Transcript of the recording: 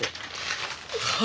はあ。